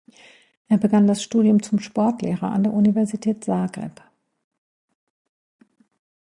Er begann das Studium zum Sportlehrer an der Universität Zagreb.